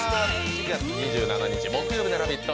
４月２７日木曜日の「ラヴィット！」